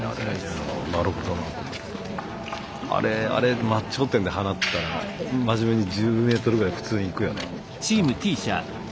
あれ真っ頂点で放ったら真面目に１０メートルぐらい普通にいくよね。